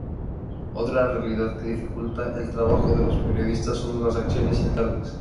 Otra realidad que dificulta el trabajo de los periodistas son las acciones internas.